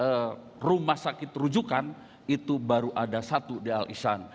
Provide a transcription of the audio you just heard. sementara dibandingkan dengan rumah sakit di jawa barat itu baru ada satu di al ishan